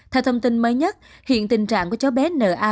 theo thông tin mới nhất hiện tình trạng của cháu bé n a